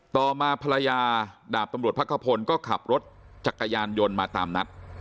ต่อมาภรรยาดาบตำรวจพักขพลก็ขับรถจักรยานยนต์มาตามนัด